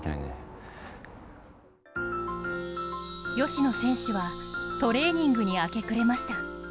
吉野選手はトレーニングに明け暮れました。